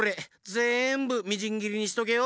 ぜんぶみじんぎりにしとけよ！